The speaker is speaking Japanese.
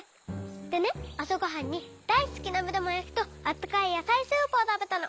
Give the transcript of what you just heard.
でねあさごはんにだいすきなめだまやきとあったかいやさいスープをたべたの。